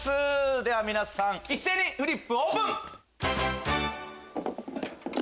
では皆さん一斉にフリップオープン！